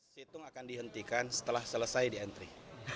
situng akan dihentikan setelah selesai diantri